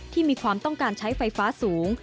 มีความต้องการใช้ไฟฟ้าสูง